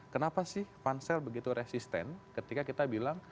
kenapa sih pansel begitu resisten ketika kita bilang